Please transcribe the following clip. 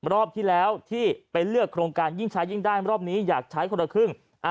รอบที่แล้วที่ไปเลือกโครงการยิ่งใช้ยิ่งได้รอบนี้อยากใช้คนละครึ่ง